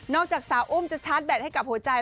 จากสาวอุ้มจะชาร์จแบตให้กับหัวใจ